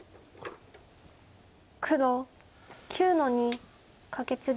黒９の二カケツギ。